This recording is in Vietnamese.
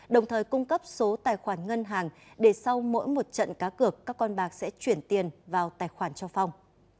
đồng thời cung cấp số tài khoản ngân hàng để sau mỗi một trận cá cược các con bạc sẽ chuyển tiền vào tài khoản cho phong